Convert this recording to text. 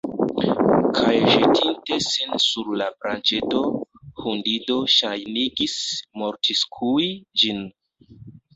Kaj ĵetinte sin sur la branĉeto, hundido ŝajnigis mortskui ĝin.